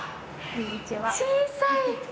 小さい！